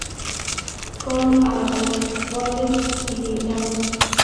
Cole avatar: Poderes ilimitados.